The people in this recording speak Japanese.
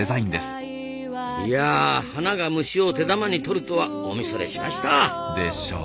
いや花が虫を手玉に取るとはおみそれしました！でしょう？